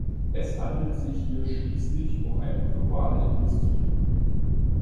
Es handelt sich hier schließlich um eine globale Industrie.